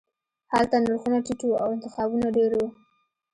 هلته نرخونه ټیټ وو او انتخابونه ډیر وو